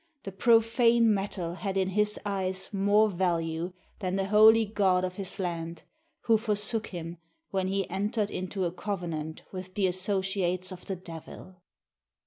The profane metal had in his eyes more value than the Holy God of his land, who forsook him, when he entered into a covenant with the associates of the Devil